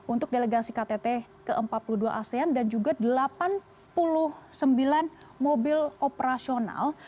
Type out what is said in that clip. untuk delegasi ktt ke empat puluh dua asean dan juga delapan puluh sembilan mobil operasional